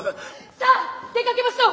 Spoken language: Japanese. さあ出かけましょう！